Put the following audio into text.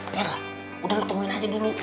ya udah lo tungguin aja dulu